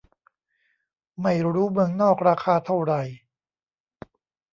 ไม่รู้เมืองนอกราคาเท่าไหร่